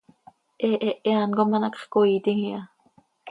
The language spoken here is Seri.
He hehe án com ano hacx coiitim iha.